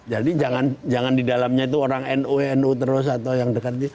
jadi jangan di dalamnya itu orang nu nu terus atau yang dekat